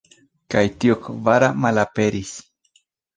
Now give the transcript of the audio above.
Kaj tiu kvara malaperis.